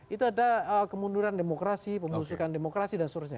itu ada kemunduran demokrasi pemusuhan demokrasi dan sebagainya